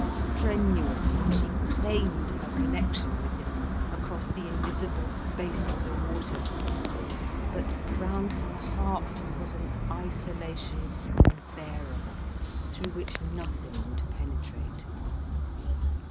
Strenuously she claimed her connection with him, across the invisible space of the water. But round her heart was an isolation unbearable, through which nothing would penetrate.